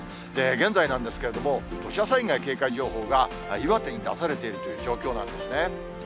現在なんですけれども、土砂災害警戒情報が岩手に出されているという状況なんですね。